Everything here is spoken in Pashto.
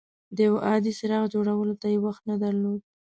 د یو عادي څراغ جوړولو ته یې وخت نه درلود.